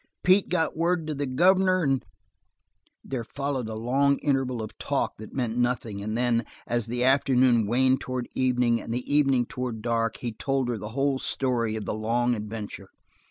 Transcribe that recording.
Pete got word to the governor, an' " There followed a long interval of talk that meant nothing, and then, as the afternoon waned towards evening, and the evening toward dark, he told her the whole story of the long adventure.